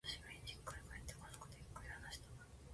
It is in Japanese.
久しぶりに実家へ帰って、家族とゆっくり話した。